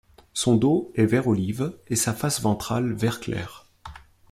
Son dos est vert olive et sa face ventrale vert clair.